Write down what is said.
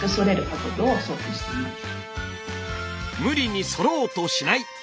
無理にそろうとしない！